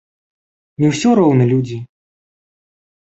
Не ўсё роўна людзі?